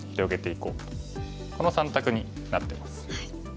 この３択になってます。